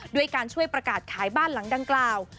ด้วยการช่วยประกาศขายบ้านหลังดังกล่าว